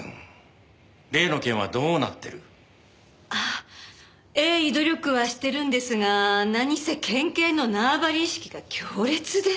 ああ鋭意努力はしてるんですが何せ県警の縄張り意識が強烈で。